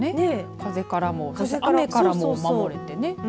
風からも雨からも守れてね。